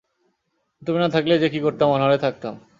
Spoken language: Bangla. তুমি না থাকলে যে কী করতাম অনাহারে থাকতাম!